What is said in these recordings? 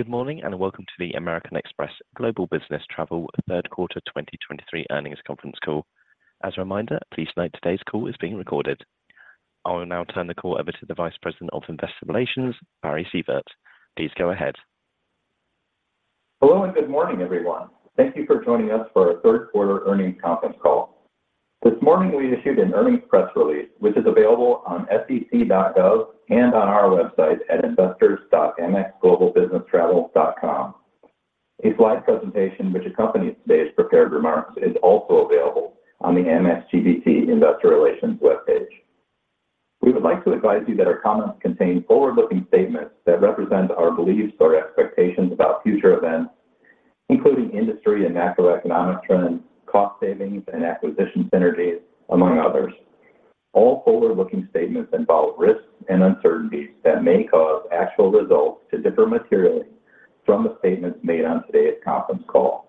Good morning, and welcome to the American Express Global Business Travel Q3 2023 earnings conference call. As a reminder, please note today's call is being recorded. I will now turn the call over to the Vice President of Investor Relations, Barry Sievert. Please go ahead. Hello, and good morning, everyone. Thank you for joining us for our Q3 earnings conference call. This morning, we issued an earnings press release, which is available on SEC.gov and on our website at investors.amexglobalbusinesstravel.com. A slide presentation, which accompanies today's prepared remarks, is also available on the Amex GBT Investor Relations webpage. We would like to advise you that our comments contain forward-looking statements that represent our beliefs or expectations about future events, including industry and macroeconomic trends, cost savings, and acquisition synergies, among others. All forward-looking statements involve risks and uncertainties that may cause actual results to differ materially from the statements made on today's conference call.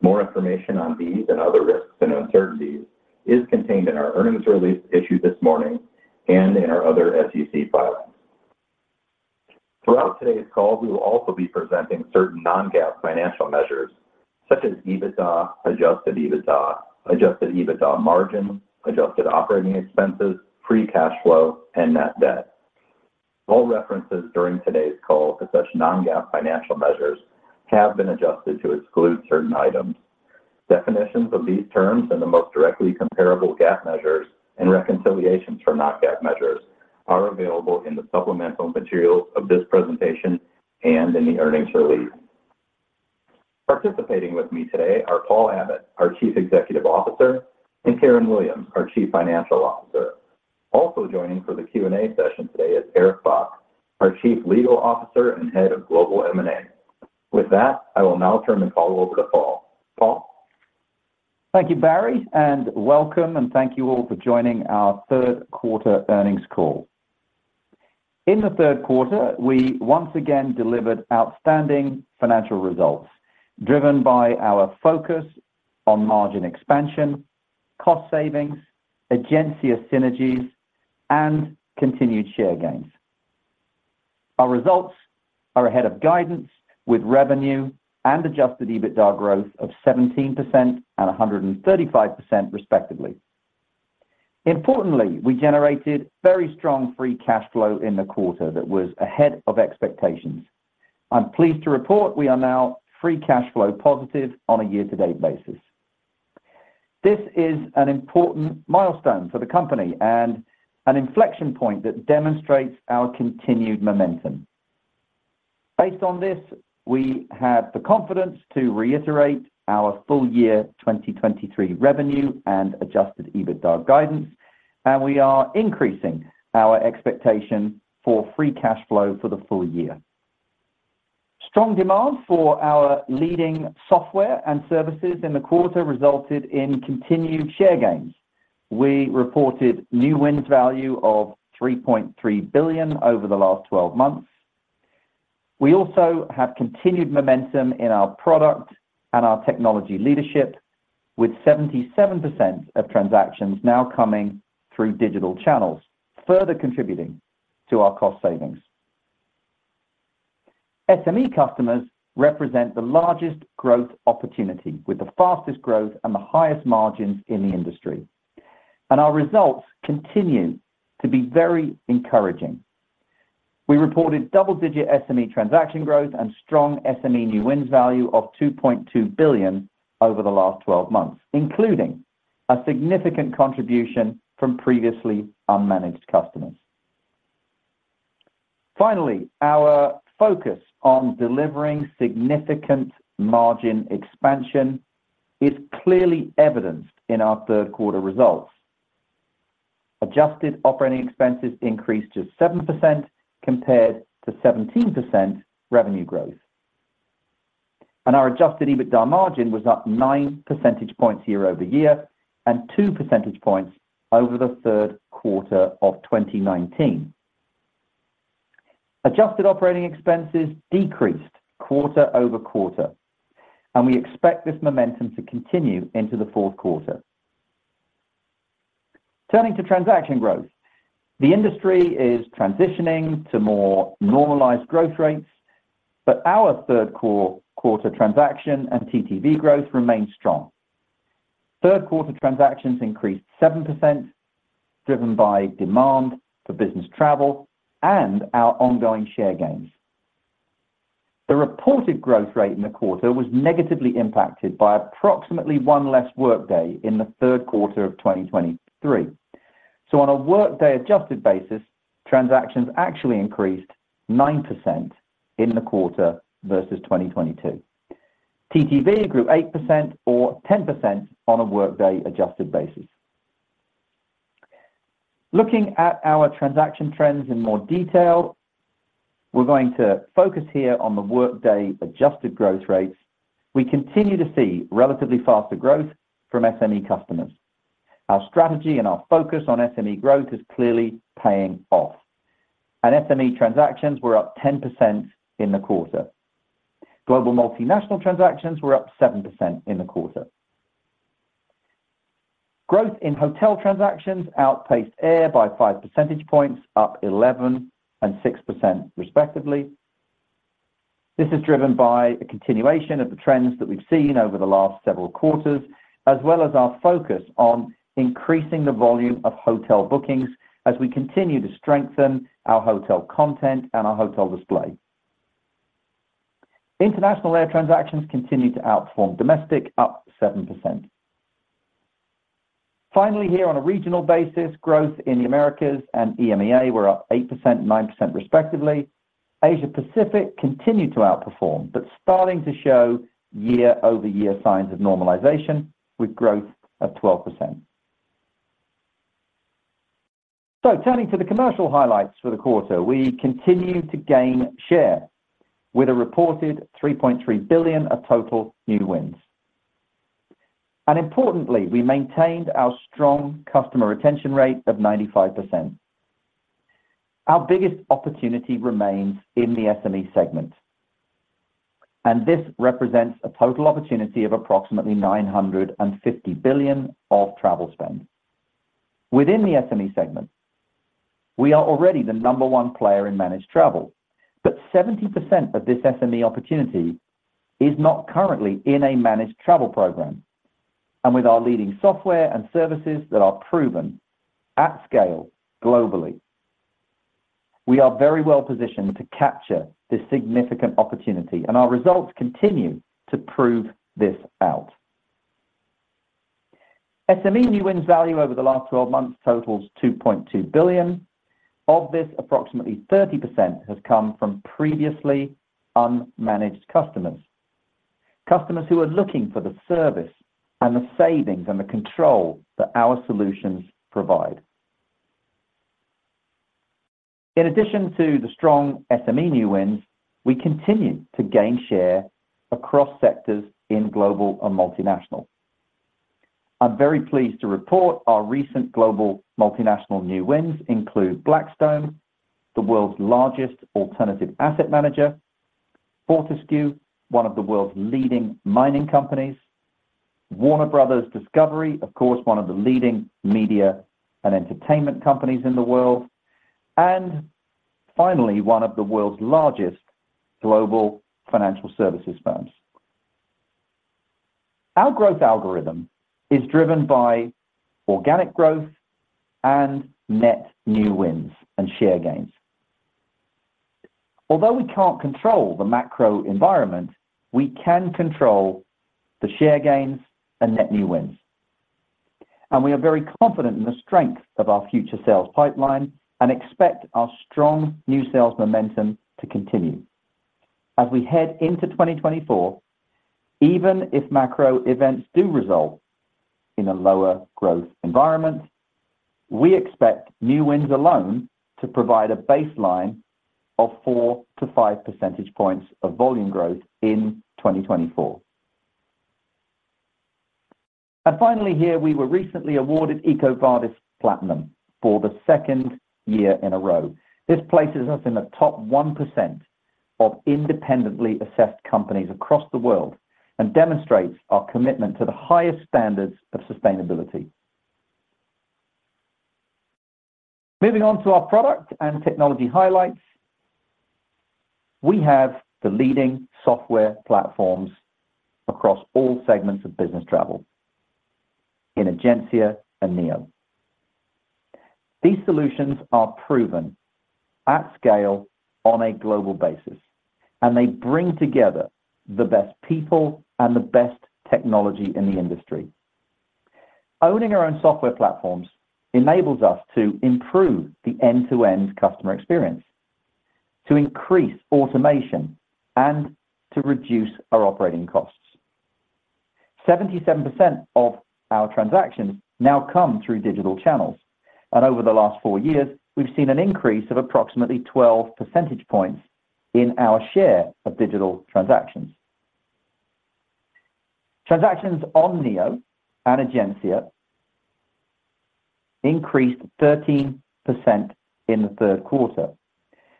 More information on these and other risks and uncertainties is contained in our earnings release issued this morning and in our other SEC filings. Throughout today's call, we will also be presenting certain non-GAAP financial measures such as EBITDA, adjusted EBITDA, adjusted EBITDA margin, adjusted operating expenses, free cash flow, and net debt. All references during today's call to such non-GAAP financial measures have been adjusted to exclude certain items. Definitions of these terms and the most directly comparable GAAP measures and reconciliations for non-GAAP measures are available in the supplemental materials of this presentation and in the earnings release. Participating with me today are Paul Abbott, our Chief Executive Officer, and Karen Williams, our Chief Financial Officer. Also joining for the Q&A session today is Eric J. Bock, our Chief Legal Officer and Head of Global M&A. With that, I will now turn the call over to Paul. Paul? Thank you, Barry, and welcome, and thank you all for joining our Q3 earnings call. In the Q3, we once again delivered outstanding financial results, driven by our focus on margin expansion, cost savings, Egencia synergies, and continued share gains. Our results are ahead of guidance with revenue and Adjusted EBITDA growth of 17% and 135%, respectively. Importantly, we generated very strong Free Cash Flow in the quarter that was ahead of expectations. I'm pleased to report we are now Free Cash Flow positive on a year-to-date basis. This is an important milestone for the company and an inflection point that demonstrates our continued momentum. Based on this, we have the confidence to reiterate our full year 2023 revenue and Adjusted EBITDA guidance, and we are increasing our expectation for Free Cash Flow for the full year. Strong demand for our leading software and services in the quarter resulted in continued share gains. We reported new wins value of $3.3 billion over the last 12 months. We also have continued momentum in our product and our technology leadership, with 77% of transactions now coming through digital channels, further contributing to our cost savings. SME customers represent the largest growth opportunity, with the fastest growth and the highest margins in the industry, and our results continue to be very encouraging. We reported double-digit SME transaction growth and strong SME new wins value of $2.2 billion over the last 12 months, including a significant contribution from previously unmanaged customers. Finally, our focus on delivering significant margin expansion is clearly evidenced in our Q3 results. Adjusted operating expenses increased to 7% compared to 17% revenue growth, and our adjusted EBITDA margin was up 9 percentage points year-over-year and 2 percentage points over the Q3 of 2019. Adjusted operating expenses decreased quarter-over-quarter, and we expect this momentum to continue into the Q4. Turning to transaction growth, the industry is transitioning to more normalized growth rates, but our Q3 transaction and TTV growth remains strong. Q3 transactions increased 7%, driven by demand for business travel and our ongoing share gains. The reported growth rate in the quarter was negatively impacted by approximately 1 less workday in the Q3 of 2023. So on a workday-adjusted basis, transactions actually increased 9% in the quarter versus 2022. TTV grew 8% or 10% on a workday-adjusted basis. Looking at our transaction trends in more detail, we're going to focus here on the workday-adjusted growth rates. We continue to see relatively faster growth from SME customers. Our strategy and our focus on SME growth is clearly paying off, and SME transactions were up 10% in the quarter. Global multinational transactions were up 7% in the quarter. Growth in hotel transactions outpaced air by five percentage points, up 11% and 6% respectively. This is driven by a continuation of the trends that we've seen over the last several quarters, as well as our focus on increasing the volume of hotel bookings as we continue to strengthen our hotel content and our hotel display. International air transactions continued to outperform domestic, up 7%. Finally, here on a regional basis, growth in the Americas and EMEA were up 8% and 9% respectively. Asia Pacific continued to outperform, but starting to show year-over-year signs of normalization, with growth of 12%. Turning to the commercial highlights for the quarter, we continued to gain share with a reported $3.3 billion of total new wins. Importantly, we maintained our strong customer retention rate of 95%. Our biggest opportunity remains in the SME segment, and this represents a total opportunity of approximately $950 billion of travel spend. Within the SME segment, we are already the number one player in managed travel, but 70% of this SME opportunity is not currently in a managed travel program. With our leading software and services that are proven at scale globally, we are very well positioned to capture this significant opportunity, and our results continue to prove this out. SME new wins value over the last 12 months totals $2.2 billion. Of this, approximately 30% has come from previously unmanaged customers, customers who are looking for the service and the savings and the control that our solutions provide. In addition to the strong SME new wins, we continue to gain share across sectors in global and multinational. I'm very pleased to report our recent global multinational new wins include Blackstone, the world's largest alternative asset manager, Fortescue, one of the world's leading mining companies, Warner Bros. Discovery, of course, one of the leading media and entertainment companies in the world, and finally, one of the world's largest global financial services firms. Our growth algorithm is driven by organic growth and net new wins and share gains. Although we can't control the macro environment, we can control the share gains and net new wins. We are very confident in the strength of our future sales pipeline and expect our strong new sales momentum to continue. As we head into 2024, even if macro events do result in a lower growth environment, we expect new wins alone to provide a baseline of 4-5 percentage points of volume growth in 2024. And finally, here, we were recently awarded EcoVadis Platinum for the second year in a row. This places us in the top 1% of independently assessed companies across the world and demonstrates our commitment to the highest standards of sustainability. Moving on to our product and technology highlights, we have the leading software platforms across all segments of business travel in Egencia and Neo. These solutions are proven at scale on a global basis, and they bring together the best people and the best technology in the industry. Owning our own software platforms enables us to improve the end-to-end customer experience, to increase automation, and to reduce our operating costs. 77% of our transactions now come through digital channels, and over the last four years, we've seen an increase of approximately 12 percentage points in our share of digital transactions. Transactions on Neo and Egencia increased 13% in the Q3,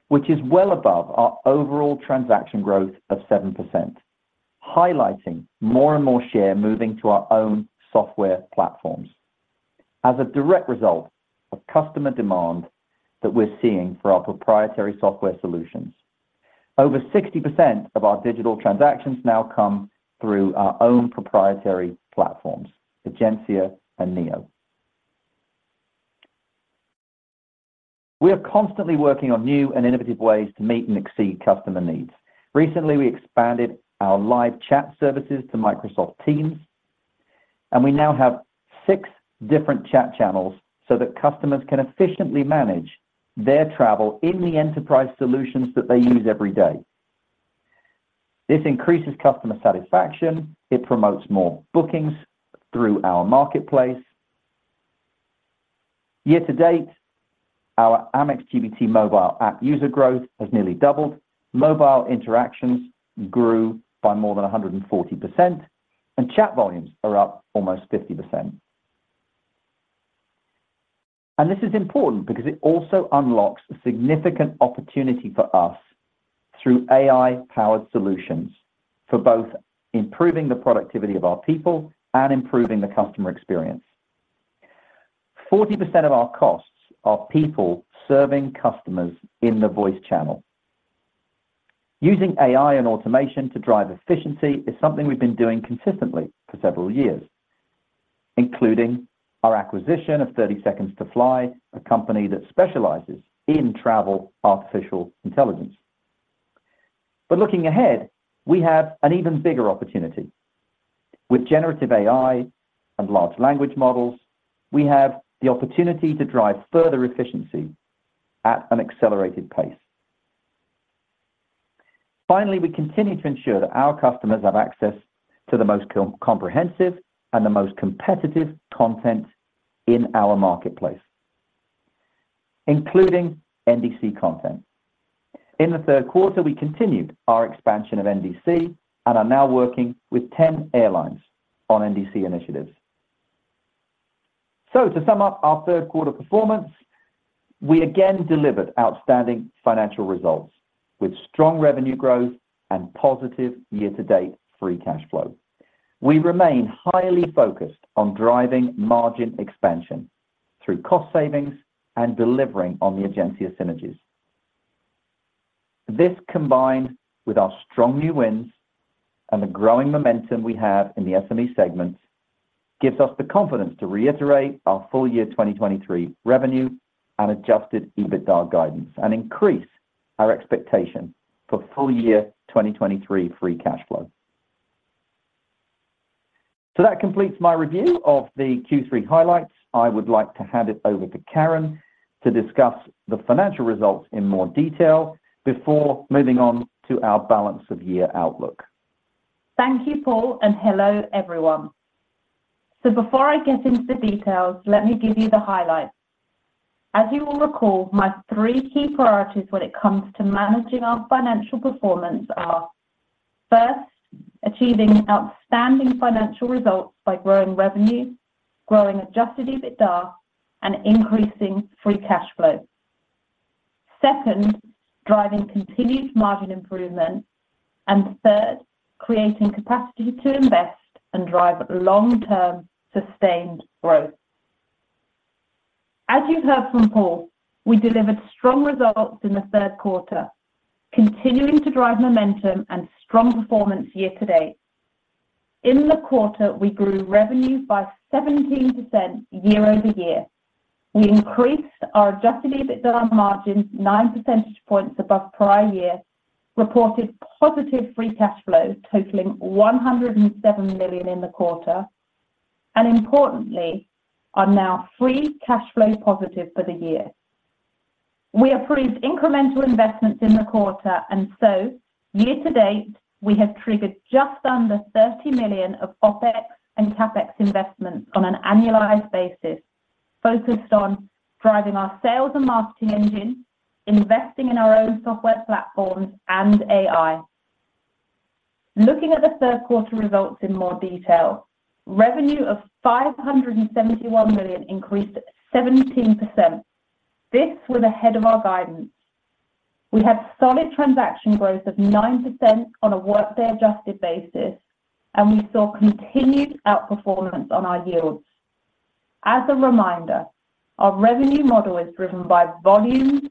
which is well above our overall transaction growth of 7%, highlighting more and more share moving to our own software platforms. As a direct result of customer demand that we're seeing for our proprietary software solutions, over 60% of our digital transactions now come through our own proprietary platforms, Egencia and Neo. We are constantly working on new and innovative ways to meet and exceed customer needs. Recently, we expanded our live chat services to Microsoft Teams, and we now have six different chat channels so that customers can efficiently manage their travel in the enterprise solutions that they use every day. This increases customer satisfaction. It promotes more bookings through our marketplace. Year to date, our Amex GBT Mobile App user growth has nearly doubled. Mobile interactions grew by more than 140%, and chat volumes are up almost 50%.... This is important because it also unlocks a significant opportunity for us through AI-powered solutions, for both improving the productivity of our people and improving the customer experience. 40% of our costs are people serving customers in the voice channel. Using AI and automation to drive efficiency is something we've been doing consistently for several years, including our acquisition of Thirty Seconds to Fly, a company that specializes in travel artificial intelligence. But looking ahead, we have an even bigger opportunity. With generative AI and large language models, we have the opportunity to drive further efficiency at an accelerated pace. Finally, we continue to ensure that our customers have access to the most comprehensive and the most competitive content in our marketplace, including NDC content. In the Q3, we continued our expansion of NDC and are now working with 10 airlines on NDC initiatives. So to sum up our Q3 performance, we again delivered outstanding financial results, with strong revenue growth and positive year-to-date free cash flow. We remain highly focused on driving margin expansion through cost savings and delivering on the Egencia synergies. This, combined with our strong new wins and the growing momentum we have in the SME segment, gives us the confidence to reiterate our full year 2023 revenue and Adjusted EBITDA guidance, and increase our expectation for full year 2023 Free Cash Flow. So that completes my review of the Q3 highlights. I would like to hand it over to Karen to discuss the financial results in more detail before moving on to our balance of year outlook. Thank you, Paul, and hello, everyone. So before I get into the details, let me give you the highlights. As you will recall, my three key priorities when it comes to managing our financial performance are: first, achieving outstanding financial results by growing revenue, growing Adjusted EBITDA, and increasing Free Cash Flow. Second, driving continued margin improvement. And third, creating capacity to invest and drive long-term, sustained growth. As you heard from Paul, we delivered strong results in the Q3, continuing to drive momentum and strong performance year-to-date. In the quarter, we grew revenue by 17% year-over-year. We increased our Adjusted EBITDA margins nine percentage points above prior year, reported positive Free Cash Flow totaling $107 million in the quarter, and importantly, are now Free Cash Flow positive for the year. We approved incremental investments in the quarter, and so year-to-date, we have triggered just under $30 million of OpEx and CapEx investments on an annualized basis, focused on driving our sales and marketing engine, investing in our own software platforms and AI. Looking at the Q3 results in more detail, revenue of $571 million increased 17%. This was ahead of our guidance. We had solid transaction growth of 9% on a workday-adjusted basis, and we saw continued outperformance on our yields. As a reminder, our revenue model is driven by volume,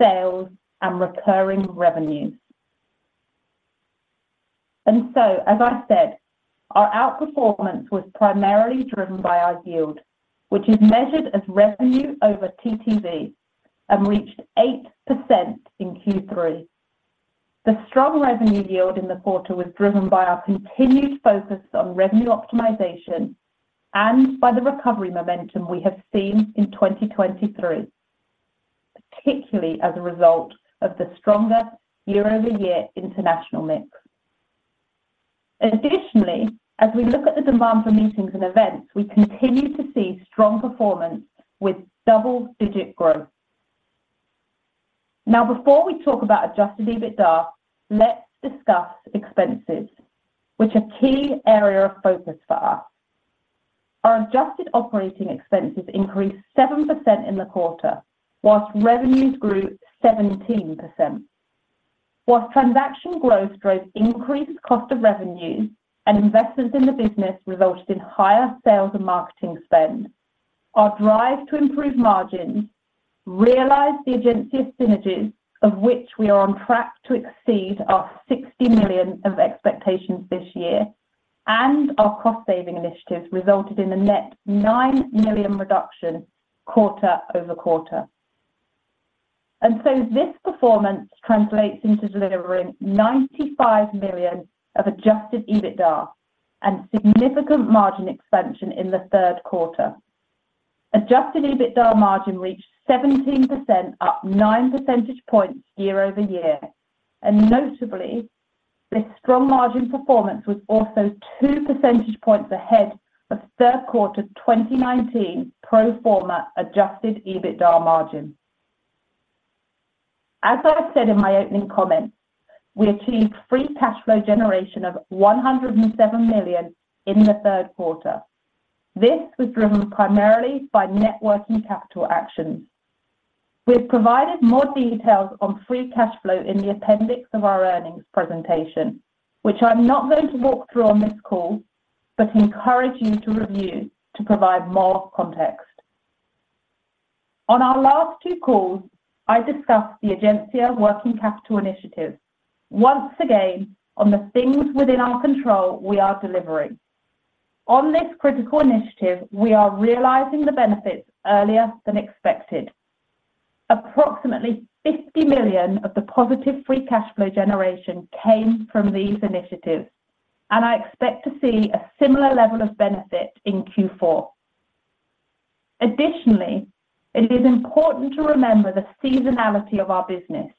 sales, and recurring revenues. And so, as I said, our outperformance was primarily driven by our yield, which is measured as revenue over TTV and reached 8% in Q3. The strong revenue yield in the quarter was driven by our continued focus on revenue optimization and by the recovery momentum we have seen in 2023, particularly as a result of the stronger year-over-year international mix. Additionally, as we look at the demand for meetings and events, we continue to see strong performance with double-digit growth. Now, before we talk about Adjusted EBITDA, let's discuss expenses, which are a key area of focus for us. Our adjusted operating expenses increased 7% in the quarter, while revenues grew 17%. While transaction growth drove increased cost of revenue and investments in the business resulted in higher sales and marketing spend, our drive to improve margins realized the Egencia synergies, of which we are on track to exceed our $60 million of expectations this year, and our cost-saving initiatives resulted in a net $9 million reduction quarter-over-quarter. So this performance translates into delivering $95 million of Adjusted EBITDA and significant margin expansion in the Q3. Adjusted EBITDA margin reached 17%, up 9 percentage points year-over-year, and notably, this strong margin performance was also 2 percentage points ahead of Q3 2019 pro forma Adjusted EBITDA margin. As I said in my opening comments, we achieved free cash flow generation of $107 million in the Q3. This was driven primarily by net working capital actions. We have provided more details on free cash flow in the appendix of our earnings presentation, which I'm not going to walk through on this call, but encourage you to review to provide more context. On our last two calls, I discussed the Egencia working capital initiative. Once again, on the things within our control, we are delivering. On this critical initiative, we are realizing the benefits earlier than expected. Approximately $50 million of the positive Free Cash Flow generation came from these initiatives, and I expect to see a similar level of benefit in Q4. Additionally, it is important to remember the seasonality of our business,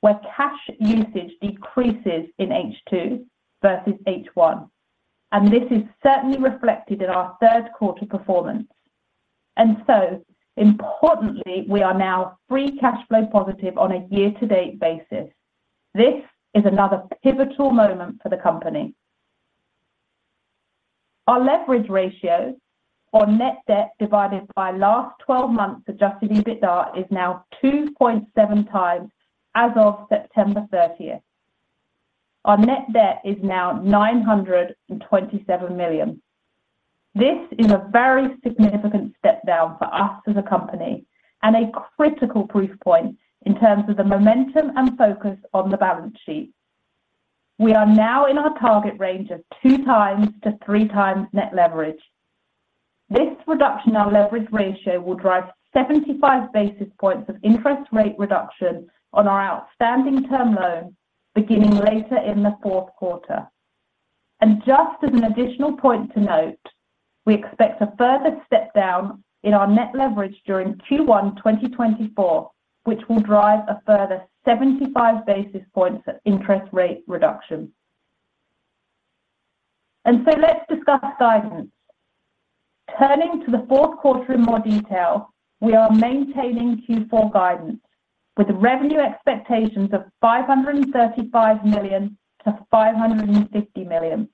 where cash usage decreases in H2 versus H1, and this is certainly reflected in our Q3 performance. And so, importantly, we are now Free Cash Flow positive on a year-to-date basis. This is another pivotal moment for the company. Our leverage ratio or Net Debt divided by last twelve months Adjusted EBITDA is now 2.7 times as of September thirtieth. Our Net Debt is now $927 million. This is a very significant step down for us as a company and a critical proof point in terms of the momentum and focus on the balance sheet. We are now in our target range of 2x to 3x net leverage. This reduction on leverage ratio will drive 75 basis points of interest rate reduction on our outstanding term loan beginning later in the Q4. Just as an additional point to note, we expect a further step down in our net leverage during Q1 2024, which will drive a further 75 basis points of interest rate reduction. So let's discuss guidance. Turning to the Q4 in more detail, we are maintaining Q4 guidance with revenue expectations of $535 million-$550 million.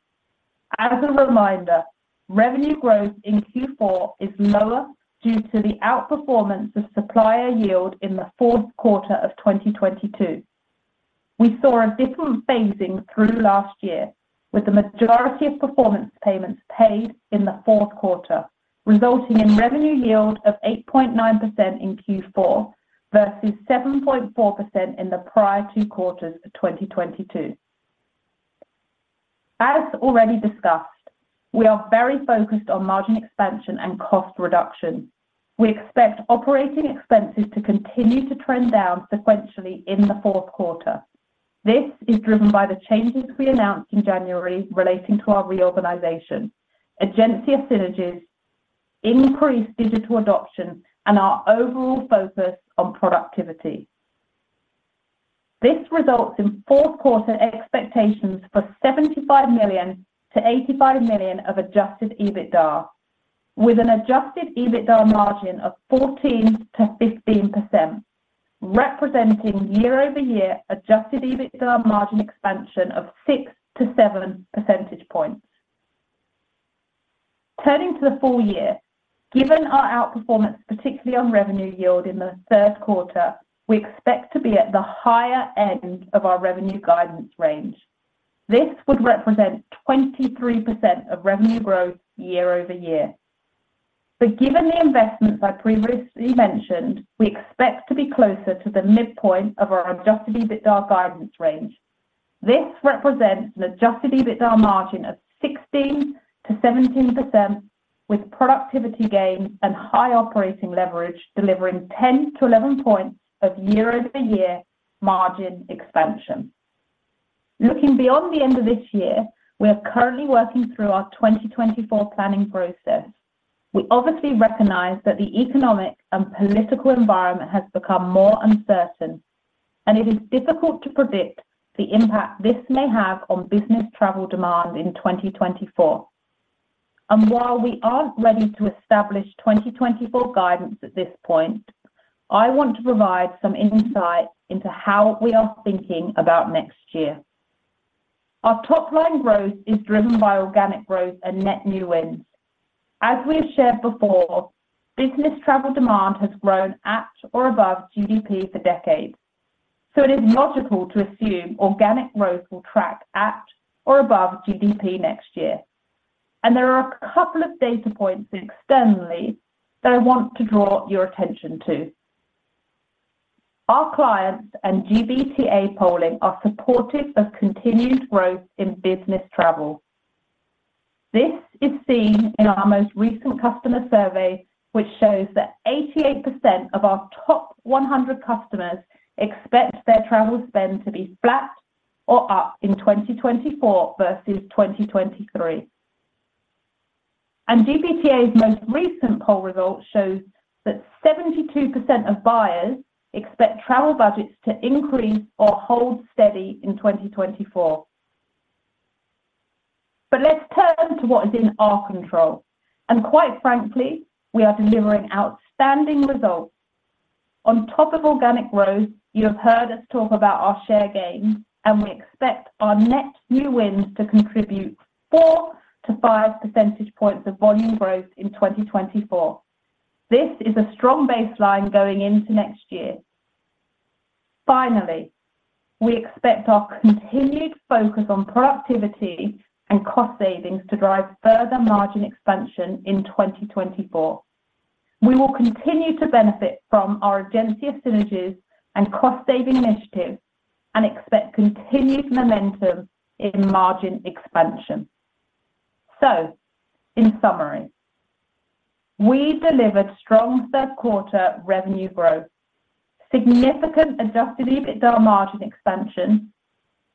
As a reminder, revenue growth in Q4 is lower due to the outperformance of supplier yield in the Q4 of 2022. We saw a different phasing through last year, with the majority of performance payments paid in the Q4, resulting in revenue yield of 8.9% in Q4, versus 7.4% in the prior two quarters of 2022. As already discussed, we are very focused on margin expansion and cost reduction. We expect operating expenses to continue to trend down sequentially in the Q4. This is driven by the changes we announced in January relating to our reorganization, Egencia synergies, increased digital adoption, and our overall focus on productivity. This results in Q4 expectations for $75 million-$85 million of Adjusted EBITDA, with an Adjusted EBITDA margin of 14%-15%, representing year-over-year Adjusted EBITDA margin expansion of 6-7 percentage points. Turning to the full year, given our outperformance, particularly on revenue yield in the Q3, we expect to be at the higher end of our revenue guidance range. This would represent 23% of revenue growth year-over-year. But given the investments I previously mentioned, we expect to be closer to the midpoint of our Adjusted EBITDA guidance range. This represents an Adjusted EBITDA margin of 16%-17%, with productivity gains and high operating leverage delivering 10-11 points of year-over-year margin expansion. Looking beyond the end of this year, we are currently working through our 2024 planning process. We obviously recognize that the economic and political environment has become more uncertain, and it is difficult to predict the impact this may have on business travel demand in 2024. While we aren't ready to establish 2024 guidance at this point, I want to provide some insight into how we are thinking about next year. Our top-line growth is driven by organic growth and net new wins. As we have shared before, business travel demand has grown at or above GDP for decades, so it is logical to assume organic growth will track at or above GDP next year. There are a couple of data points externally that I want to draw your attention to. Our clients and GBTA polling are supportive of continued growth in business travel. This is seen in our most recent customer survey, which shows that 88% of our top 100 customers expect their travel spend to be flat or up in 2024 versus 2023. GBTA's most recent poll results shows that 72% of buyers expect travel budgets to increase or hold steady in 2024.... But let's turn to what is in our control, and quite frankly, we are delivering outstanding results. On top of organic growth, you have heard us talk about our share gains, and we expect our net new wins to contribute 4-5 percentage points of volume growth in 2024. This is a strong baseline going into next year. Finally, we expect our continued focus on productivity and cost savings to drive further margin expansion in 2024. We will continue to benefit from our agency synergies and cost-saving initiatives and expect continued momentum in margin expansion. So in summary, we delivered strong Q3 revenue growth, significant Adjusted EBITDA margin expansion,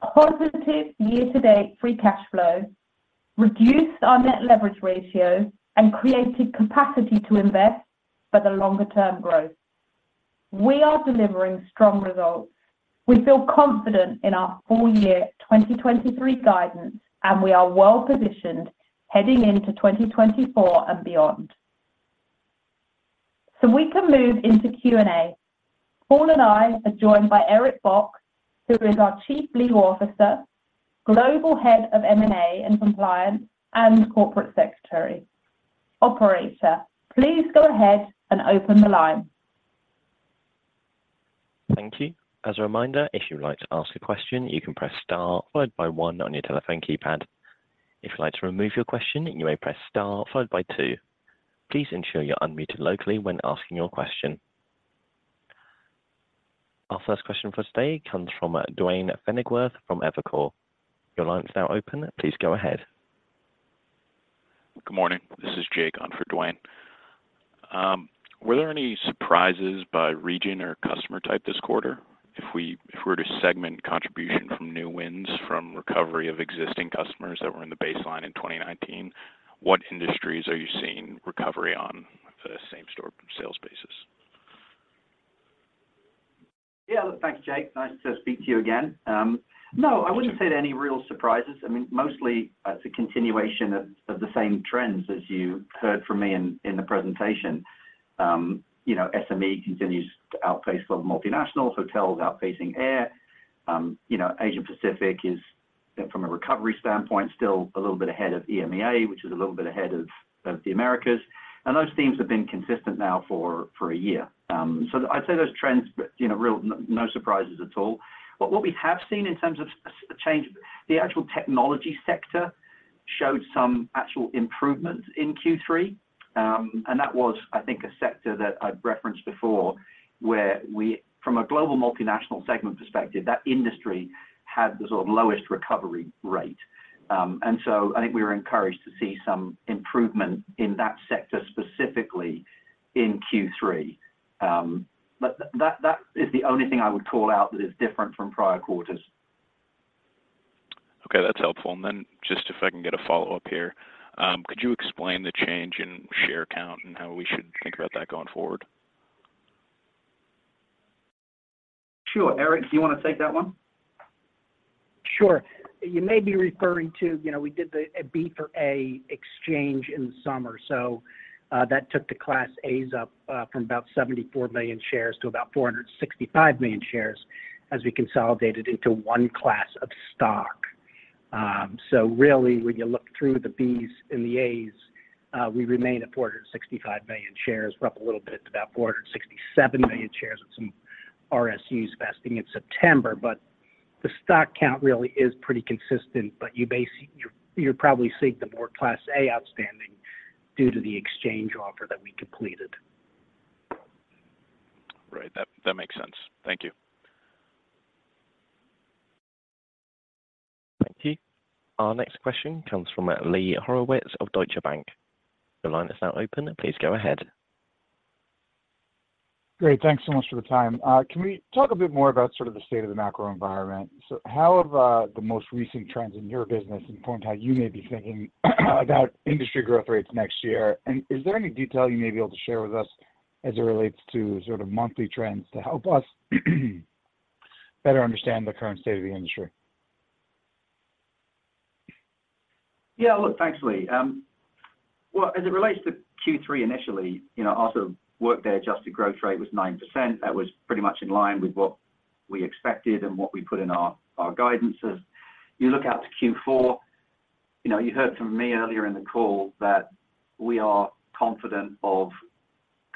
positive year-to-date Free Cash Flow, reduced our Net Leverage Ratio, and created capacity to invest for the longer-term growth. We are delivering strong results. We feel confident in our full year 2023 guidance, and we are well positioned heading into 2024 and beyond. So we can move into Q&A. Paul and I are joined by Eric Bock, who is our Chief Legal Officer, Global Head of M&A and Compliance, and Corporate Secretary. Operator, please go ahead and open the line. Thank you. As a reminder, if you would like to ask a question, you can press star followed by one on your telephone keypad. If you'd like to remove your question, you may press star followed by two. Please ensure you're unmuted locally when asking your question. Our first question for today comes from Duane Pfennigwerth from Evercore. Your line is now open. Please go ahead. Good morning. This is Jake on for Duane. Were there any surprises by region or customer type this quarter? If we, if we were to segment contribution from new wins from recovery of existing customers that were in the baseline in 2019, what industries are you seeing recovery on a same-store sales basis? Yeah, look, thanks, Jake. Nice to speak to you again. No, I wouldn't say any real surprises. I mean, mostly it's a continuation of the same trends as you heard from me in the presentation. You know, SME continues to outpace global multinationals, hotels outpacing air. You know, Asia Pacific is, from a recovery standpoint, still a little bit ahead of EMEA, which is a little bit ahead of the Americas. And those themes have been consistent now for a year. So I'd say those trends, but you know, really no surprises at all. But what we have seen in terms of sea change, the actual technology sector showed some actual improvement in Q3, and that was, I think, a sector that I've referenced before, where we... From a global multinational segment perspective, that industry had the sort of lowest recovery rate. And so I think we were encouraged to see some improvement in that sector, specifically in Q3. But that is the only thing I would call out that is different from prior quarters. Okay, that's helpful. And then just if I can get a follow-up here, could you explain the change in share count and how we should think about that going forward? Sure. Eric, do you want to take that one? Sure. You may be referring to, you know, we did the, a B for A exchange in the summer, so, that took the Class A's up, from about 74 million shares to about 465 million shares as we consolidated into one class of stock. So really, when you look through the B's and the A's, we remain at 465 million shares. We're up a little bit to about 467 million shares with some RSUs vesting in September, but the stock count really is pretty consistent, but you're probably seeing the more Class A outstanding due to the exchange offer that we completed. Right. That, that makes sense. Thank you. Thank you. Our next question comes from Lee Horowitz of Deutsche Bank. Your line is now open. Please go ahead. Great. Thanks so much for the time. Can we talk a bit more about sort of the state of the macro environment? So how have the most recent trends in your business informed how you may be thinking about industry growth rates next year? And is there any detail you may be able to share with us as it relates to sort of monthly trends to help us better understand the current state of the industry? Yeah, look, thanks, Lee. Well, as it relates to Q3, initially, you know, our Workday adjusted growth rate was 9%. That was pretty much in line with what we expected and what we put in our guidance. You look out to Q4, you know, you heard from me earlier in the call that we are confident of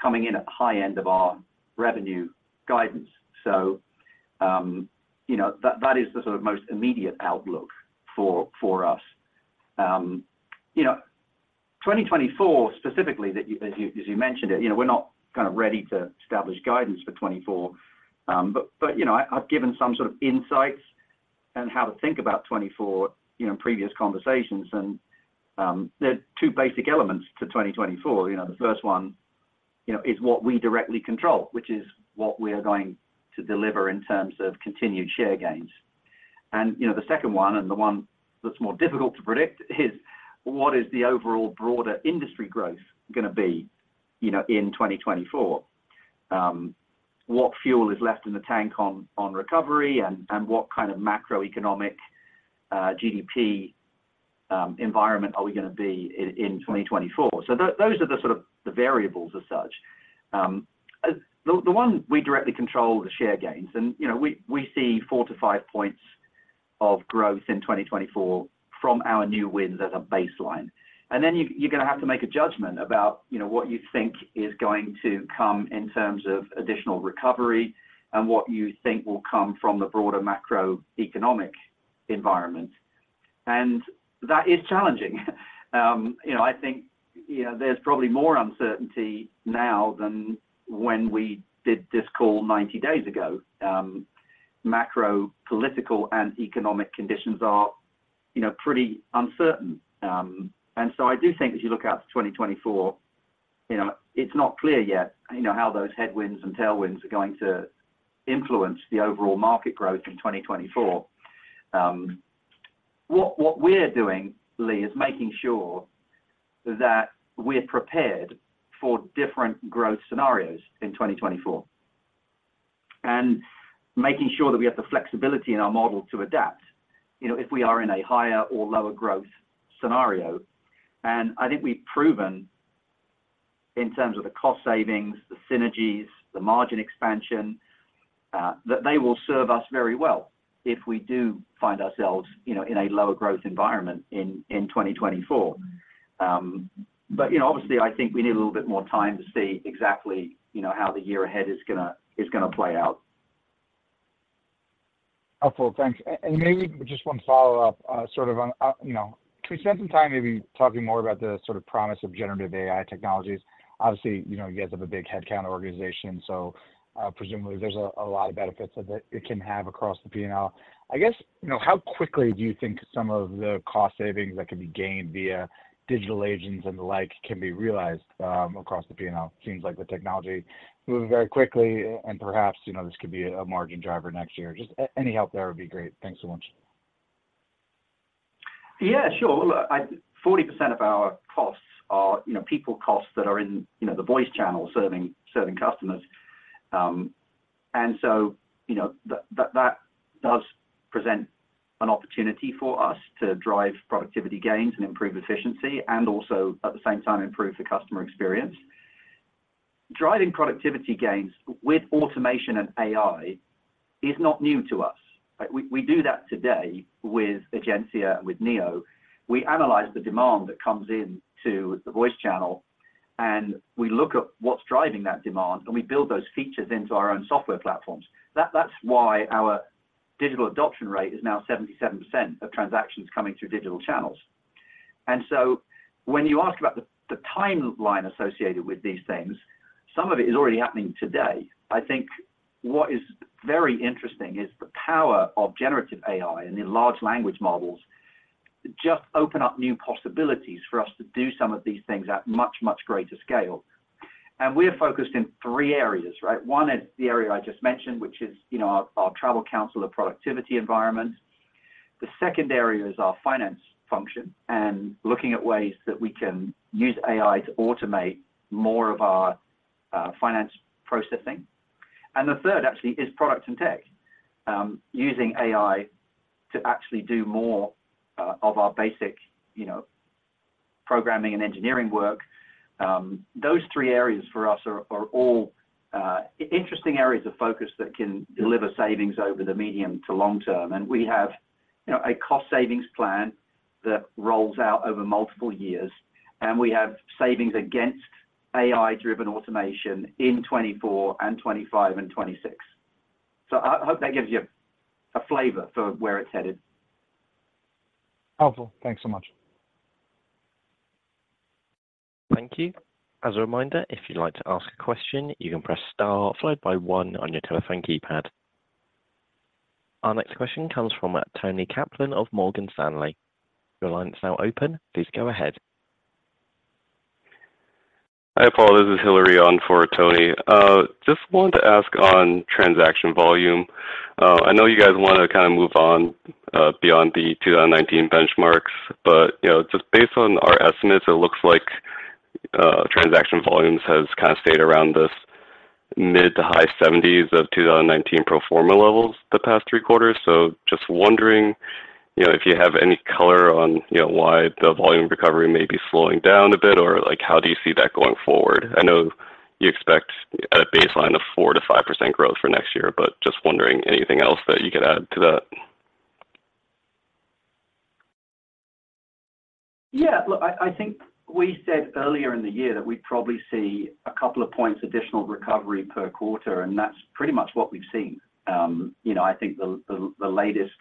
coming in at the high end of our revenue guidance. So, you know, that is the sort of most immediate outlook for us. You know, 2024, specifically, as you mentioned it, you know, we're not kind of ready to establish guidance for 2024, but, you know, I've given some sort of insights on how to think about 2024, you know, in previous conversations and, there are two basic elements to 2024. You know, the first one, you know, is what we directly control, which is what we are going to deliver in terms of continued share gains. And, you know, the second one, and the one that's more difficult to predict, is what is the overall broader industry growth gonna be, you know, in 2024? What fuel is left in the tank on recovery, and what kind of macroeconomic GDP environment are we gonna be in 2024? So those are the sort of the variables as such. The one we directly control, the share gains, and, you know, we see 4-5 points of growth in 2024 from our new wins as a baseline. And then you, you're gonna have to make a judgment about, you know, what you think is going to come in terms of additional recovery, and what you think will come from the broader macroeconomic environment. And that is challenging. You know, I think, you know, there's probably more uncertainty now than when we did this call 90 days ago. Macro, political, and economic conditions are, you know, pretty uncertain. And so I do think as you look out to 2024, you know, it's not clear yet, you know, how those headwinds and tailwinds are going to influence the overall market growth in 2024. What we're doing, Lee, is making sure that we're prepared for different growth scenarios in 2024, and making sure that we have the flexibility in our model to adapt, you know, if we are in a higher or lower growth scenario. I think we've proven in terms of the cost savings, the synergies, the margin expansion, that they will serve us very well if we do find ourselves, you know, in a lower growth environment in 2024. But, you know, obviously, I think we need a little bit more time to see exactly, you know, how the year ahead is gonna play out. Helpful. Thanks. And maybe just one follow-up, sort of on... You know, can we spend some time maybe talking more about the sort of promise of generative AI technologies? Obviously, you know, you guys have a big headcount organization, so, presumably there's a lot of benefits that it can have across the P&L. I guess, you know, how quickly do you think some of the cost savings that can be gained via digital agents and the like can be realized, across the P&L? Seems like the technology moving very quickly, and perhaps, you know, this could be a margin driver next year. Just any help there would be great. Thanks so much. Yeah, sure. Look, forty percent of our costs are, you know, people costs that are in, you know, the voice channel serving customers. And so, you know, that does present an opportunity for us to drive productivity gains and improve efficiency, and also at the same time, improve the customer experience. Driving productivity gains with automation and AI is not new to us. Like, we do that today with Egencia and with Neo. We analyze the demand that comes in to the voice channel, and we look at what's driving that demand, and we build those features into our own software platforms. That's why our digital adoption rate is now 77% of transactions coming through digital channels. And so when you ask about the timeline associated with these things, some of it is already happening today. I think what is very interesting is the power of generative AI and in large language models, just open up new possibilities for us to do some of these things at much, much greater scale. And we're focused in three areas, right? One is the area I just mentioned, which is, you know, our, our travel counselor productivity environment. The second area is our finance function, and looking at ways that we can use AI to automate more of our, finance processing. And the third actually is product and tech. Using AI to actually do more, of our basic, you know, programming and engineering work. Those three areas for us are, are all, interesting areas of focus that can deliver savings over the medium to long term. We have, you know, a cost savings plan that rolls out over multiple years, and we have savings against AI-driven automation in 2024, 2025, and 2026. So I hope that gives you a flavor for where it's headed. Helpful. Thanks so much. Thank you. As a reminder, if you'd like to ask a question, you can press star followed by one on your telephone keypad. Our next question comes from Toni Kaplan of Morgan Stanley. Your line is now open. Please go ahead. Hi, Paul. This is Hillary on for Toni. Just wanted to ask on transaction volume. I know you guys wanna kind of move on beyond the two thousand and nineteen benchmarks, but, you know, just based on our estimates, it looks like transaction volumes has kind of stayed around this mid to high seventies of two thousand and nineteen pro forma levels the past three quarters. So just wondering, you know, if you have any color on, you know, why the volume recovery may be slowing down a bit, or, like, how do you see that going forward? I know you expect a baseline of 4%-5% growth for next year, but just wondering anything else that you could add to that? Yeah. Look, I think we said earlier in the year that we'd probably see a couple of points, additional recovery per quarter, and that's pretty much what we've seen. You know, I think the latest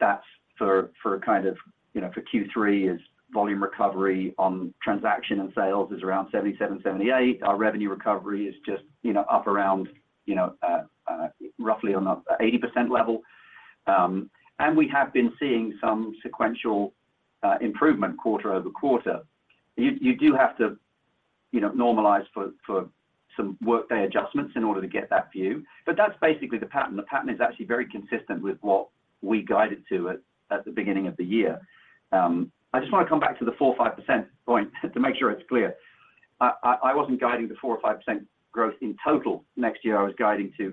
stats for kind of, you know, for Q3 is volume recovery on transaction and sales is around 77-78. Our revenue recovery is just, you know, up around, you know, roughly on the 80% level. And we have been seeing some sequential improvement quarter-over-quarter. You do have to, you know, normalize for some workday adjustments in order to get that view, but that's basically the pattern. The pattern is actually very consistent with what we guided to at the beginning of the year. I just wanna come back to the 4-5% point to make sure it's clear. I wasn't guiding the 4%-5% growth in total next year. I was guiding to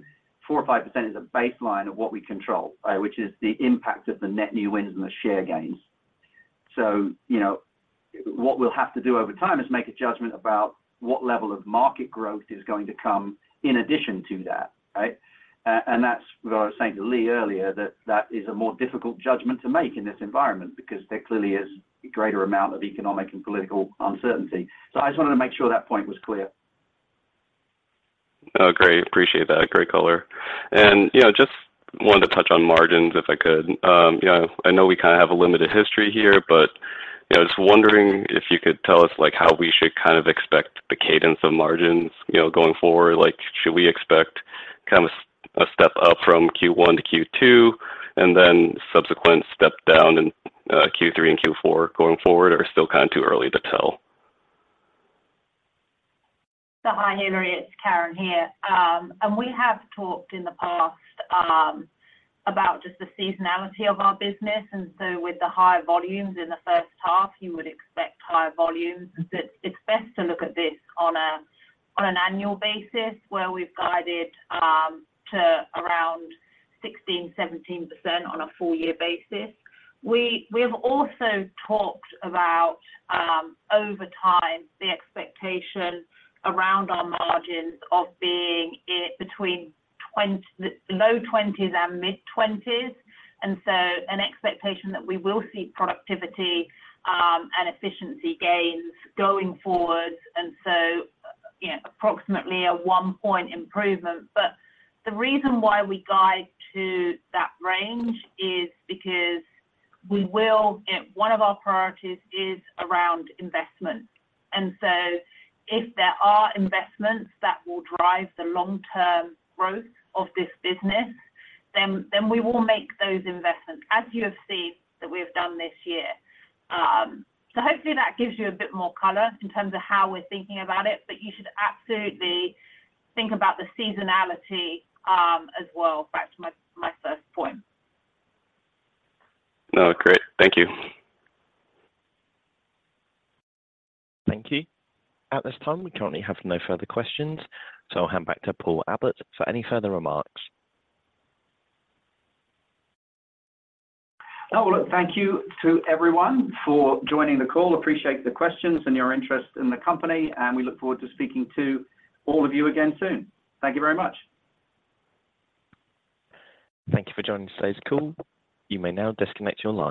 4%-5% as a baseline of what we control, which is the impact of the net new wins and the share gains. So, you know, what we'll have to do over time is make a judgment about what level of market growth is going to come in addition to that, right? And that's what I was saying to Lee earlier, that that is a more difficult judgment to make in this environment, because there clearly is a greater amount of economic and political uncertainty. So I just wanted to make sure that point was clear. Oh, great. Appreciate that. Great color. And, you know, just wanted to touch on margins, if I could. You know, I know we kind of have a limited history here, but, you know, I was wondering if you could tell us, like, how we should kind of expect the cadence of margins, you know, going forward. Like, should we expect kind of a step up from Q1 to Q2, and then subsequent step down in Q3 and Q4 going forward, or still kind of too early to tell? So hi, Hillary, it's Karen here. And we have talked in the past about just the seasonality of our business, and so with the higher volumes in the first half, you would expect higher volumes. But it's best to look at this on an annual basis, where we've guided to around 16%-17% on a full year basis. We've also talked about over time, the expectation around our margins of being in between the low 20s and mid-20s, and so an expectation that we will see productivity and efficiency gains going forward, and so, you know, approximately a 1-point improvement. But the reason why we guide to that range is because we will... One of our priorities is around investment, and so if there are investments that will drive the long-term growth of this business, then we will make those investments, as you have seen that we have done this year. Hopefully that gives you a bit more color in terms of how we're thinking about it, but you should absolutely think about the seasonality, as well. Back to my first point. Oh, great. Thank you. Thank you. At this time, we currently have no further questions, so I'll hand back to Paul Abbott for any further remarks. Oh, well, thank you to everyone for joining the call. Appreciate the questions and your interest in the company, and we look forward to speaking to all of you again soon. Thank you very much. Thank you for joining today's call. You may now disconnect your line.